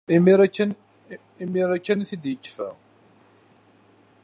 Imir-a kan ay t-id-yufa.